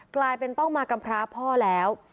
กลายเป็นต้องมากำพร้าพ่อแล้ว